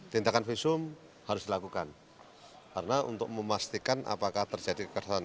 tindakan visum harus dilakukan karena untuk memastikan apakah terjadi kekerasan